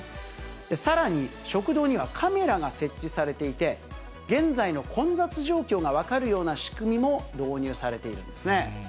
さらに、食堂にはカメラが設置されていて、現在の混雑状況が分かるような仕組みも導入されているんですね。